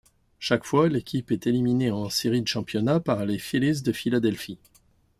Chaque fois, l'équipe est éliminée en Série de championnat par les Phillies de Philadelphie.